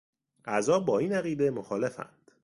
اعضا با این عقیده مخالفند.